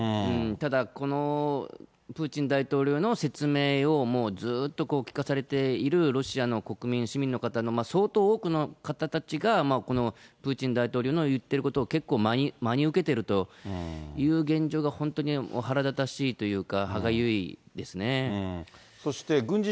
ただ、このプーチン大統領の説明をもうずっと聞かされているロシアの国民、市民の方の相当多くの方たちが、このプーチン大統領の言ってることを結構真に受けているという現状が、本当に腹立たしいというか、歯がゆいですね。